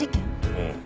うん。